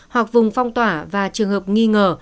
hoặc vùng phong tỏa và trường hợp nghi ngờ